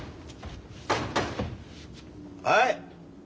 はい。